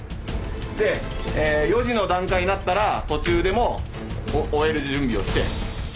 で４時の段階になったら途中でも終える準備をして。